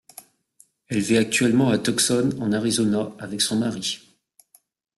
Elle vit actuellement à Tucson, en Arizona, avec son mari.